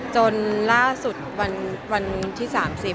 จนล่าสุดวันที่๓๐